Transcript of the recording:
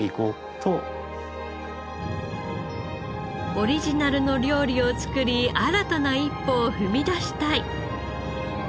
オリジナルの料理を作り新たな一歩を踏み出したい。